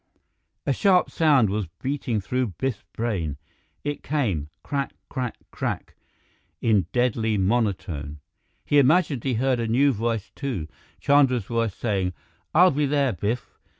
A sharp sound was beating through Biff's brain. It came, "Crack crack crack " in deadly monotone. He imagined he heard a new voice too, Chandra's voice, saying, "I'll be there, Biff!"